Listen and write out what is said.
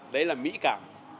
đấy là mỹ cảm